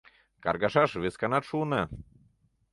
Каргашаш весканат шуына.